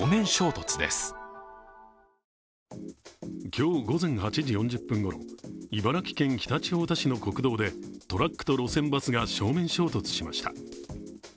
今日午前８時４０分ごろ茨城県常陸太田市の国道でトラックと路線バスが正面衝突しました。